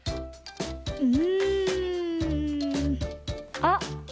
うん。あっ！